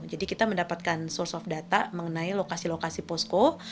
jadi kita mendapatkan source of data mengenai lokasi lokasi posko